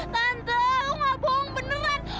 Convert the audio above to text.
tante lu gak bohong beneran